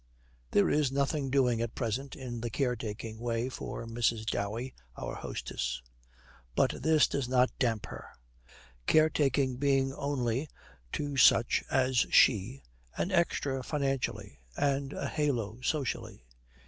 There is nothing doing at present in the caretaking way for Mrs. Dowey, our hostess; but this does not damp her, caretaking being only to such as she an extra financially and a halo socially.